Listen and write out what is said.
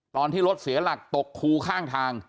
ตอนที่รถเสียหลักตกคูข้างทาง